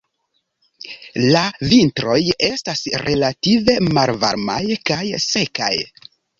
La vintroj estas relative malvarmaj kaj sekaj.